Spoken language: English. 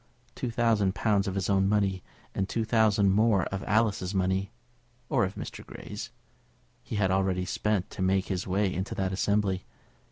Two thousand pounds of his own money, and two thousand more of Alice's money, or of Mr. Grey's, he had already spent to make his way into that assembly.